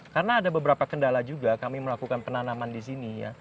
karena ada beberapa kendala juga kami melakukan penanaman di sini